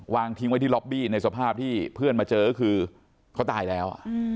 ทิ้งไว้ที่ล็อบบี้ในสภาพที่เพื่อนมาเจอก็คือเขาตายแล้ว